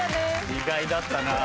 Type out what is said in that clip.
意外だったなぁ。